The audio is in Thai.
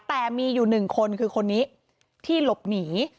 แต่มีอยู่๑คนคือคนนี้ที่หลบหนี